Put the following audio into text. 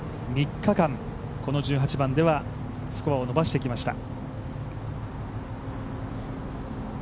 ３日間、この１８番ではスコアを伸ばしてきました。